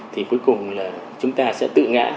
thì cuối cùng là chúng ta sẽ tự ngã